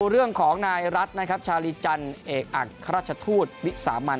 เรื่องของนายรัฐนะครับชาลีจันทร์เอกอัครราชทูตวิสามัน